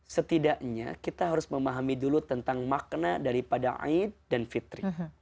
setidaknya kita harus memahami dulu tentang makna daripada aid dan fitri